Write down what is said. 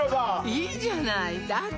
いいじゃないだって